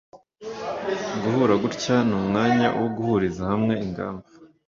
Guhura gutya ni umwanya wo guhuriza hamwe ingamba